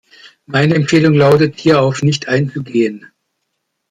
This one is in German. Meine Empfehlung lautet, hierauf nicht einzugehen.